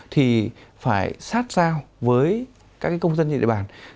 thì phải sát sao với các công dân trên địa bàn